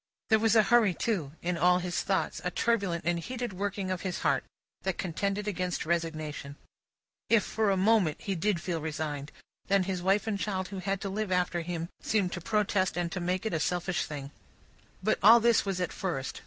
There was a hurry, too, in all his thoughts, a turbulent and heated working of his heart, that contended against resignation. If, for a moment, he did feel resigned, then his wife and child who had to live after him, seemed to protest and to make it a selfish thing. But, all this was at first.